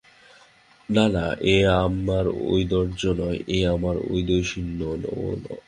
না না, এ আমার ঔদার্য নয়, এ আমার ঔদাসীন্য তো নয়ই।